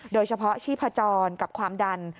โดยเฉพาะชีพจรกับความดัน